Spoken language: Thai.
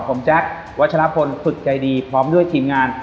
ผมแจ๊ควัชลพลฝึกใจดีพร้อมด้วยทีมงาน